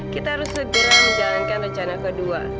kita harus segera menjalankan rencana kedua